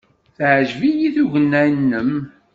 Teɛjeb-iyi tugna-nnem.